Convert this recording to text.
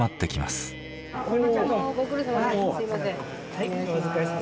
すいません。